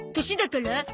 年だから？